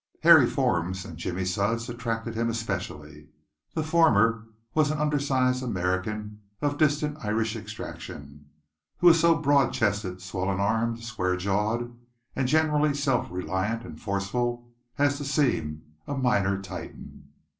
Harry Fornes and Jimmy Sudds attracted him especially. The former was an undersized American of distant Irish extraction who was so broad chested, swollen armed, square jawed and generally self reliant and forceful as to seem a minor Titan.